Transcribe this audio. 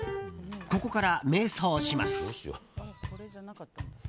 ここから迷走します。